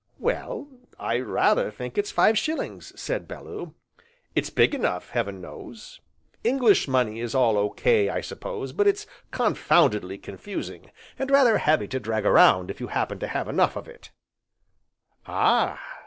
"Well, I rather think it's five shillings," said Bellew. "It's big enough, heaven knows. English money is all O.K., I suppose, but it's confoundedly confusing, and rather heavy to drag around if you happen to have enough of it " "Ah!"